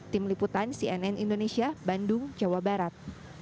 tim liputan cnn indonesia bandung jawa barat